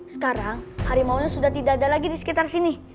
sekarang harimaunya sudah tidak ada lagi di sekitar sini